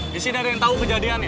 di sini ada yang tahu kejadian